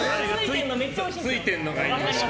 ついてるのがいいんだよ。